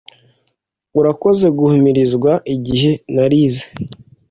urakoze guhumurizwa igihe narize